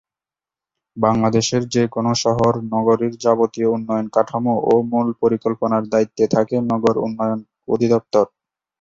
বাংলাদেশের যে কোনো শহর-নগরীর যাবতীয় উন্নয়ন কাঠামো ও মূল পরিকল্পনার দায়িত্বে থাকে নগর উন্নয়ন অধিদপ্তর।